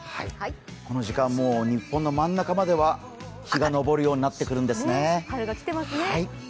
この時間、もう日本の真ん中までは日が昇るようになってきているんですね。